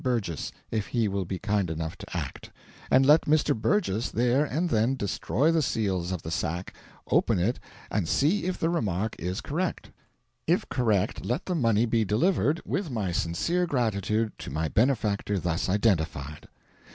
Burgess (if he will be kind enough to act); and let Mr. Burgess there and then destroy the seals of the sack, open it, and see if the remark is correct: if correct, let the money be delivered, with my sincere gratitude, to my benefactor thus identified."